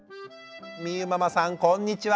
みゆママさんこんにちは！